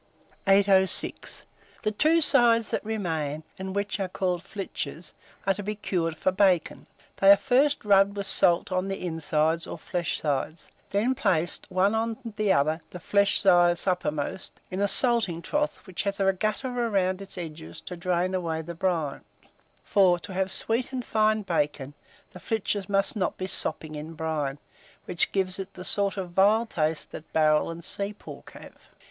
806. THE TWO SIDES THAT REMAIN, and which are called flitches, are to be cured for bacon. They are first rubbed with salt on their insides, or flesh sides, then placed one on the other, the flesh sides uppermost, in a salting trough which has a gutter round its edges to drain away the brine; for, to have sweet and fine bacon, the flitches must not be sopping in brine, which gives it the sort of vile taste that barrel and sea pork have.